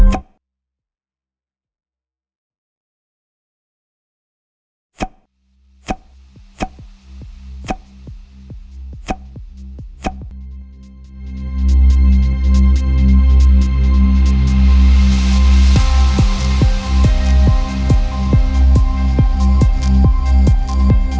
โดยการคดีการมองว่าชีวิตเขาจะเป็นอะไร